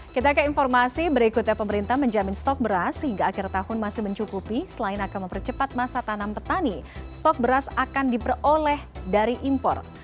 kita ke informasi berikutnya pemerintah menjamin stok beras hingga akhir tahun masih mencukupi selain akan mempercepat masa tanam petani stok beras akan diperoleh dari impor